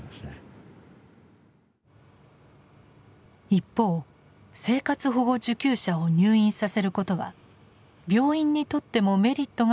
一方生活保護受給者を入院させることは病院にとってもメリットがあると話す専門家もいます。